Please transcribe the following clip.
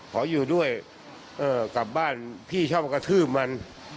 ขออยู่ด้วยเออกลับบ้านพี่ชอบมากระทืบมัน